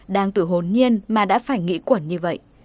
đang tuổi hồn nhiên mà đã phải nghỉ quẩn như vậy